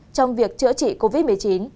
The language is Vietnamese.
trong việc chữa trị covid một mươi chín